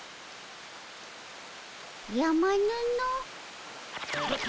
やまぬの。